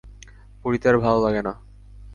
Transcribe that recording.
পড়িতে আর ভালো লাগে না।